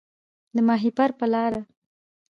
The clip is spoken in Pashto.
د ماهیپر په لار